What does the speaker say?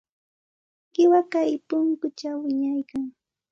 Qiwa kay punkućhaw wiñaykan.